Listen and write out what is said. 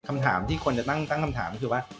คำถามที่คนจะตั้งคำถามคือว่า